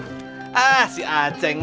hebat ya aceng